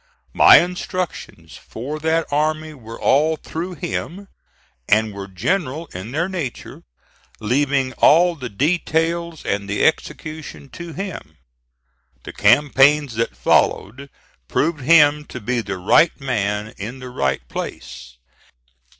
My instructions for that army were all through him, and were general in their nature, leaving all the details and the execution to him. The campaigns that followed proved him to be the right man in the right place.